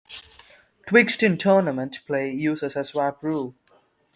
Twixt in tournament play uses a swap rule.